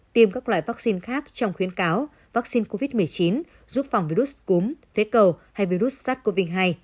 tiêm các loại vaccine khác trong khuyến cáo vaccine covid một mươi chín giúp phòng virus cúm phế cầu hay virus sars cov hai